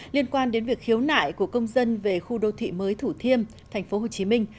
liên quan đến việc khiếu nại của công dân về khu đô thị mới thủ thiêm tp hcm